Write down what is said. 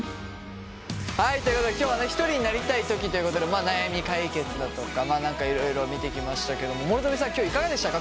はいということで今日はひとりになりたいときということで悩み解決だとかいろいろを見てきましたけど諸富さん今日はいかがでしたか。